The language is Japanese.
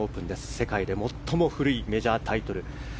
世界で最も古いメジャータイトル。